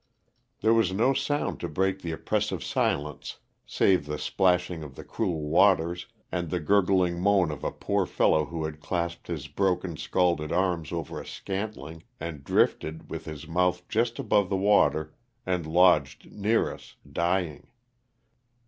There was no sound to break the oppressive silence save the plashing of the cruel waters and the gurgling moan of a poor fellow who had clasped his broken, scalded arms over a scantling and drifted, with his mouth jast above the water, and lodged near us, dying.